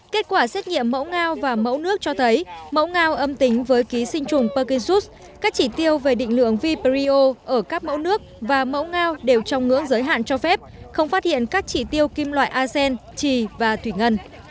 kết quả xét nghiệm mẫu ngao và mẫu nước cho thấy mẫu ngao âm tính với ký sinh trùng perkinsus các chỉ tiêu về định lượng viperio ở các mẫu nước và mẫu ngao đều trong ngưỡng giới hạn cho phép không phát hiện các chỉ tiêu kim loại arsen trì và thủy ngân